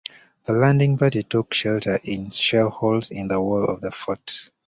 The landing party took shelter in shell holes in the wall of the fort.